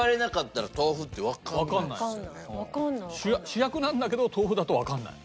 主役なんだけど豆腐だとわかんない。